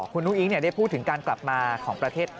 คุณอุ้งอิ๊งได้พูดถึงการกลับมาของประเทศ